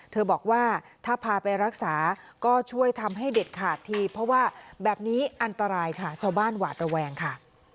บอกว่าถ้าพาไปรักษาก็ช่วยทำให้เด็ดขาดทีเพราะว่าแบบนี้อันตรายค่ะชาวบ้านหวาดระแวงค่ะ